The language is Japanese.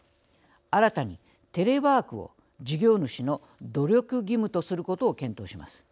新たにテレワークを事業主の努力義務とすることを検討します。